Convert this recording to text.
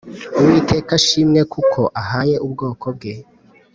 Uwiteka ashimwe kuko ahaye ubwoko bwe